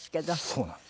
そうなんです。